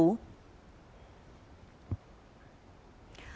công an phường dương đông đầu thú